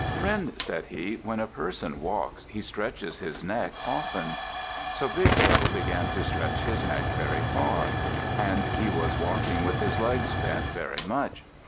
"Friend," said he, "when a person walks, he stretches his neck often." So Big Turtle began to stretch his neck very far, and he was walking with his legs bent very much.